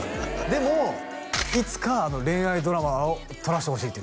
でも「いつか恋愛ドラマを撮らせてほしい」って言ってました